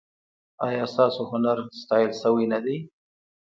ایا ستاسو هنر ستایل شوی نه دی؟